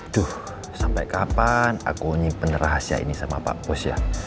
duh sampai kapan aku unyi penerahasia ini sama pak pos ya